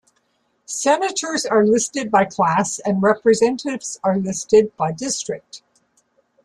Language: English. Senators are listed by class, and Representatives are listed by district.